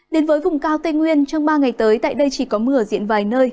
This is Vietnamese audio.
đến với vùng cao tây nguyên trong ba ngày tới tại đây chỉ có mưa ở diện vài nơi